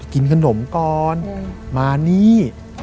กินขนมก่อนมานี่